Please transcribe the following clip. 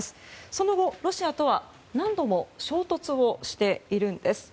その後、ロシアとは何度も衝突をしているんです。